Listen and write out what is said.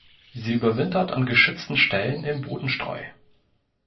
Sie überwintert an geschützten Stellen im Bodenstreu.